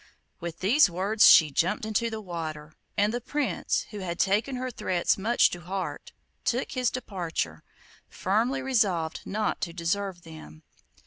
With these words she jumped into the water, and the Prince, who had taken her threats much to heart, took his departure, firmly resolved not to deserve them.